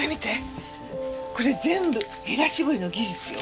これ全部へら絞りの技術よ。